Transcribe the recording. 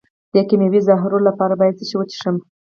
د کیمیاوي زهرو لپاره باید څه شی وڅښم؟